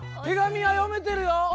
手紙は読めてるよ